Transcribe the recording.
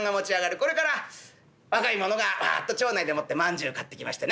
これから若い者がワッと町内でもって饅頭買ってきましてね。